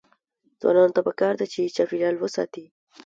ځوانانو ته پکار ده چې، چاپیریال وساتي.